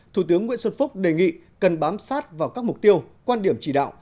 thủ tướng nguyễn xuân phúc đề nghị cần bám sát vào các mục tiêu quan điểm chỉ đạo